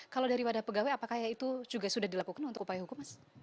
kalau dari wadah pegawai apakah itu juga sudah dilakukan untuk upaya hukum mas